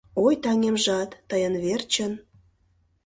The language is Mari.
Ой, таҥемжат, тыйын верчын